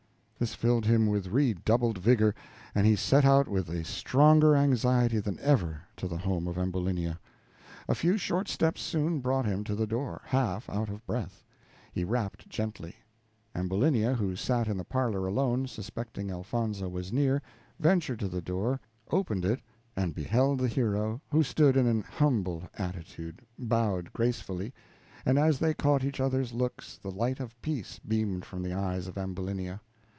This filled him with redoubled vigor, and he set out with a stronger anxiety than ever to the home of Ambulinia. A few short steps soon brought him to the door, half out of breath. He rapped gently. Ambulinia, who sat in the parlor alone, suspecting Elfonzo was near, ventured to the door, opened it, and beheld the hero, who stood in an humble attitude, bowed gracefully, and as they caught each other's looks the light of peace beamed from the eyes of Ambulinia.